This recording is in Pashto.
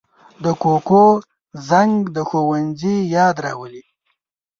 د کوکو زنګ د ښوونځي یاد راولي